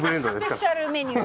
スペシャルメニュー。